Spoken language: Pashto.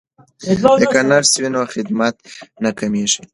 که نرس وي نو خدمت نه کمیږي.